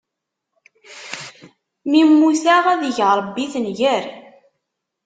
Mi mmuteɣ, ad ig Ṛebbi tenger!